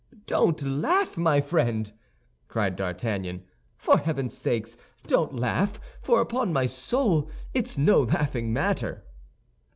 "Don't laugh, my friend!" cried D'Artagnan; "for heaven's sake, don't laugh, for upon my soul, it's no laughing matter!"